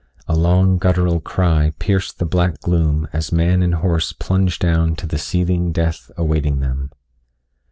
A long, guttural cry pierced the black gloom as man and horse plunged down to the seething death awaiting them.